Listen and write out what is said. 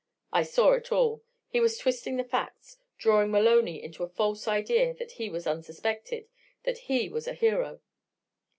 I saw it all. He was twisting the facts, drawing Maloney into a false idea that he was unsuspected that he was a hero.